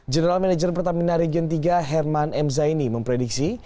general manager pertamina region tiga herman m zaini memprediksi